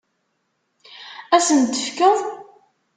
Ad asent-t-tefkeḍ?